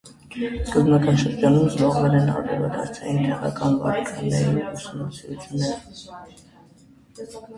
Սկզբնական շրջանում զբաղվել են արևադարձային տեղական վարակների ուսումնասիրություններով։